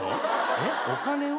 えっお金を？